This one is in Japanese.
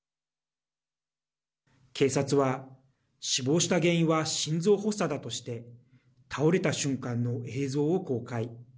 警察は、死亡した原因は心臓発作だとして倒れた瞬間の映像を公開。